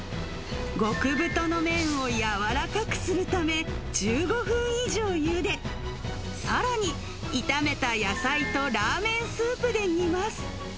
極太の麺を柔らかくするため、１５分以上ゆで、さらに、炒めた野菜とラーメンスープで煮ます。